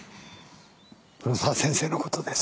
黒沢先生のことですね？